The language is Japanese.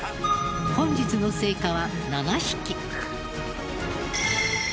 本日の成果は７匹。